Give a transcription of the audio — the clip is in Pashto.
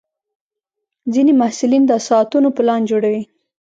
ځینې محصلین د ساعتونو پلان جوړوي.